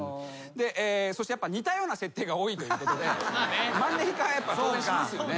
そして似たような設定が多いということでマンネリ化は当然しますよね。